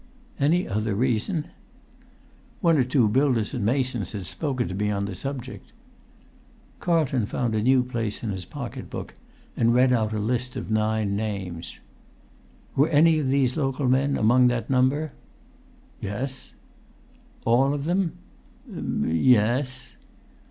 "Any other reason?" "One or two builders and masons had spoken to me on the subject." Carlton found a new place in his pocket book, and read out a list of nine names. [Pg 175]"Were any of these local men among the number?" "Yes." "All of them?" "Ye—es."